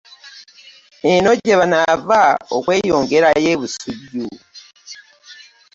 Eno gye banaava okweyongerayo e Busujju.